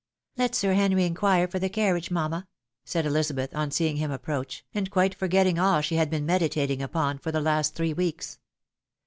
" Let Sir Henry inquire for the carriage, mamma !" said Elizabeth, on seeing him approach, and quite forgetting aU she had been meditating upon for the last three weeks.